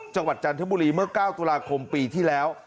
จันทบุรีเมื่อ๙ตุลาคมปีที่แล้ว